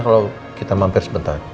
gimana kalo kita mampir sebentar